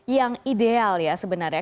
yang ideal ya sebenarnya